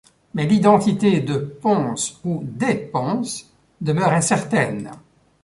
Mais l'identité de Pons, ou des Pons, demeure incertaine.